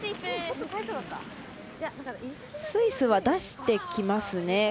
スイスは出してきますね。